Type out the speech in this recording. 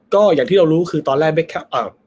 ก็อย่างที่เรารู้คือตอนแรกไม่แค่อ้าว